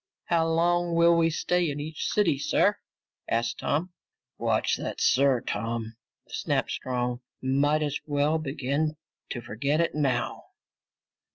"How long will we stay in each city, sir?" asked Tom. "Watch that 'sir,' Tom," snapped Strong. "Might as well begin to forget it now."